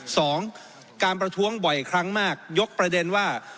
สองการประท้วงบ่อยครั้งมากยกประเด็นว่า